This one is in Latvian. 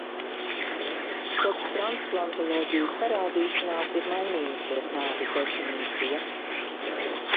Kopš transplantoloģijas parādīšanās ir mainījusies nāves definīcija.